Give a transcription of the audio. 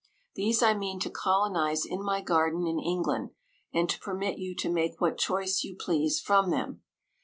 These I mean to colonize in my garden in Eng land, and to permit you to make what choice you please from them.